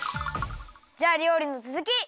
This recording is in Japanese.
じゃありょうりのつづき！